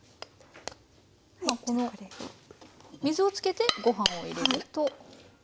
今この水を付けてごはんを入れると？